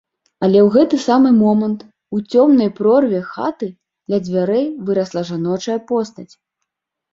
Але ў гэты самы момант у цёмнай прорве хаты ля дзвярэй вырасла жаночая постаць.